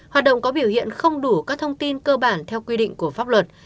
hoạt động có biểu hiện không đủ các thông tin cơ bản theo quy định của pháp luật